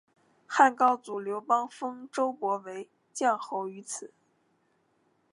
汉高祖刘邦封周勃为绛侯于此。